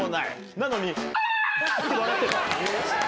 なのにヒャ！って笑ってたの。